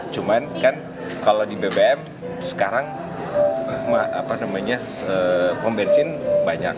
cuman kan kalau di bbm sekarang pom bensin banyak